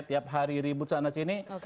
tiap hari ribut sana sini